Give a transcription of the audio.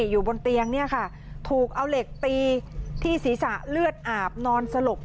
อยู่บนเตียงเนี่ยค่ะถูกเอาเหล็กตีที่ศีรษะเลือดอาบนอนสลบ